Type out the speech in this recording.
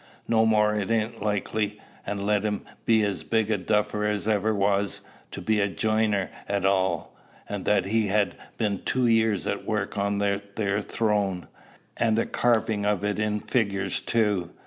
No more it ain't likely and let him be as big a duffer as ever was, to be a jiner at all that he'd ha' been two year at work on that there throne an' a carvin' of it in figures too!